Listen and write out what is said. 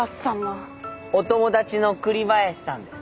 お友達の栗林さんです。